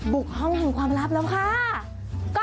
บุกห้องถึงความลับแล้วค่ะก๊อกก๊อกก๊อกสวัสดีค่ะ